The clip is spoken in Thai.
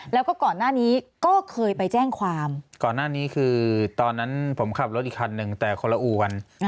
แล้วก็ก่อนหน้านี้ก็เคยไปแจ้งความก่อนหน้านี้คือตอนนั้นผมขับรถอีกคันหนึ่งแต่คนละอู่วัน